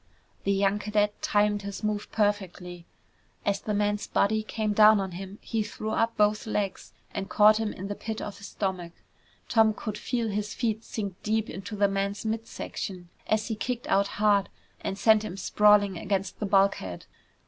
The young cadet timed his move perfectly. As the man's body came down on him, he threw up both legs and caught him in the pit of his stomach. Tom could feel his feet sink deep into the man's mid section as he kicked out hard and sent him sprawling against the bulkhead.